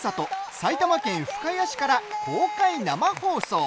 埼玉県深谷市から公開生放送。